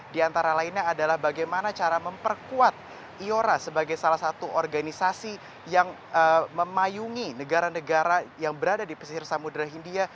di antara lainnya adalah bagaimana cara memperkuat iora sebagai salah satu organisasi yang memayungi negara negara yang berada di pesisir samudera hindia